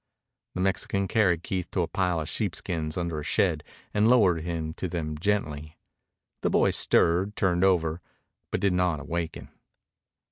The Mexican carried Keith to a pile of sheepskins under a shed and lowered him to them gently. The boy stirred, turned over, but did not awaken.